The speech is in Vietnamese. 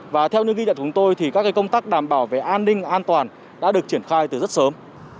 và theo những ghi nhận của chúng tôi thì các công tác đảm bảo về an ninh an toàn đã được triển khai từ rất sớm